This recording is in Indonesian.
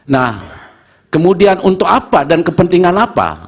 nah kemudian untuk apa dan kepentingan apa